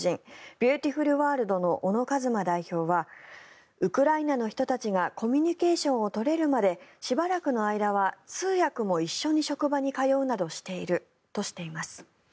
ＢｅａｕｔｉｆｕｌＷｏｒｌｄの小野一馬代表はウクライナの人たちがコミュニケーションを取れるまでしばらくの間は通訳も一緒に職場に通うなどしているとしています。